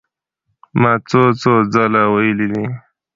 ما څو څو ځله وئيلي دي